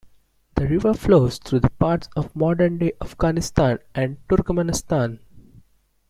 The river flows through the parts of modern-day Afghanistan and Turkmenistan.